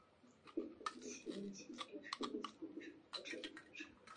其运行的列车又分为直通旅客列车与管内旅客列车。